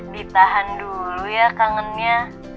ditahan dulu ya kangennya